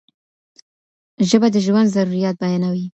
ژبه د ژوند ضروريات بیانوي.